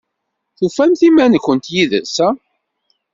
Tufamt iman-nkent yid-s?